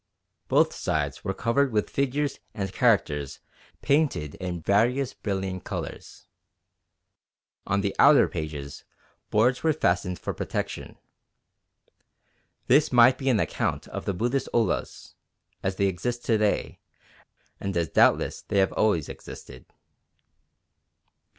Both sides were covered with figures and characters painted in various brilliant colours. On the outer pages boards were fastened for protection." This might be an account of the Buddhist olas as they exist to day and as doubtless they have always existed.